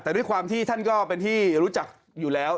แต่ด้วยความที่ท่านก็เป็นที่รู้จักอยู่แล้ว